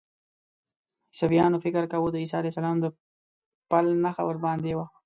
عیسویانو فکر کاوه د عیسی علیه السلام د پل نښه ورباندې وه.